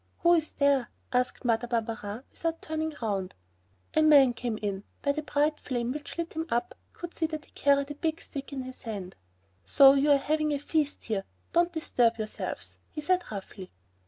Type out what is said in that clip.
"Who's there?" asked Mother Barberin, without turning round. A man had come in. By the bright flame which lit him up I could see that he carried a big stick in his hand. "So, you're having a feast here, don't disturb yourselves," he said roughly.